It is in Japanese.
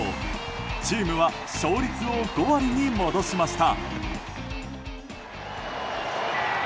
チームは勝率を５割に戻しました。